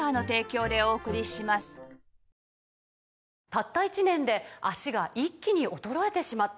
「たった１年で脚が一気に衰えてしまった」